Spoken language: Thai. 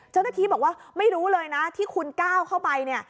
เจ้าหน้าที่บอกว่าไม่รู้เลยนะที่คุณก้าวเข้าไปเนี่ย